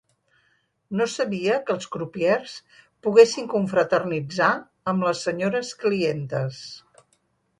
No sabia que els crupiers poguessin confraternitzar amb les senyores clientes.